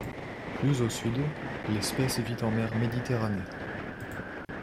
Plus au sud, l'espèce vit en mer Méditerranée.